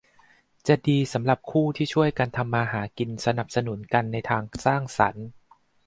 จะดีสำหรับคู่ที่ช่วยกันทำมาหากินสนับสนุนกันในทางสร้างสรรค์